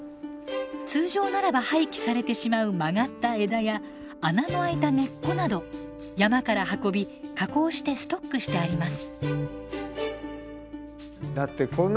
通常ならば廃棄されてしまう曲がった枝や穴のあいた根っこなど山から運び加工してストックしてあります。